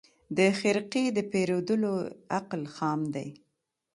د خرقې د پېرودلو عقل خام دی